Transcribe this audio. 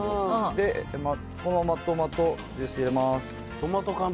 で、このままトマトジュース入れます。